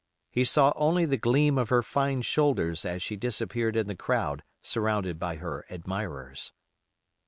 He saw only the gleam of her fine shoulders as she disappeared in the crowd surrounded by her admirers.